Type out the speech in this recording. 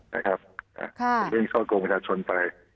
เวพยังห้อคงของลักษณ์ชนไป